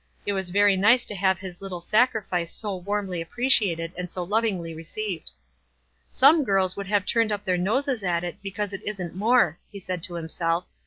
It was very nice to have his little sacrifice so warmly appre ciated and so lovingly received. "Some girls w r ould have turned up their noses at it because it wasn't more," he said to himself.